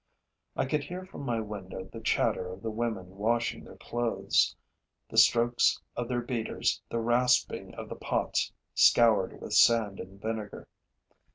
I could hear from my window the chatter of the women washing their clothes, the strokes of their beaters, the rasping of the pots scoured with sand and vinegar.